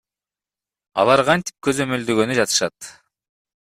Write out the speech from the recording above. Алар кантип көзөмөлдөгөнү жатышат?